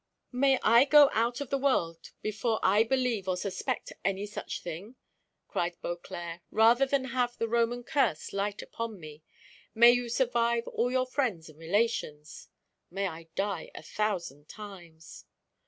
"May I go out of the world before I believe or suspect any such thing?" cried Beauclerc. "Rather than have the Roman curse light upon me, 'May you survive all your friends and relations!' may I die a thousand times!"